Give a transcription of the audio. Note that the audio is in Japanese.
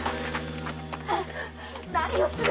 何をする！